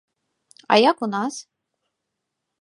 А як у нас?